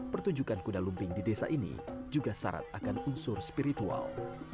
pertunjukan kuda lumping di desa ini juga syarat akan unsur spiritual